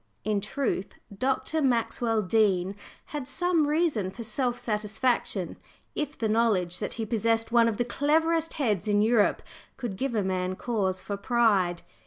In truth, Dr. Maxwell Dean had some reason for self satisfaction, if the knowledge that he possessed one of the cleverest heads in Europe could give a man cause for pride.